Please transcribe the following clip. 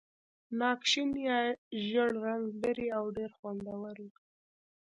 ناک شین یا ژېړ رنګ لري او ډېر خوندور وي.